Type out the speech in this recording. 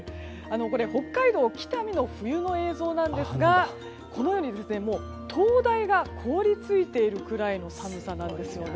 これは、北海道北見の冬の映像なんですがこのように灯台が凍り付いているぐらいの寒さなんです。